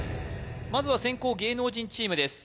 まずは先攻芸能人チームです